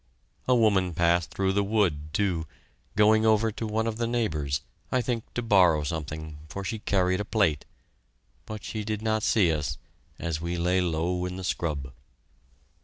A woman passed through the wood, too, going over to one of the neighbors I think to borrow something, for she carried a plate. But she did not see us, as we lay low in the scrub.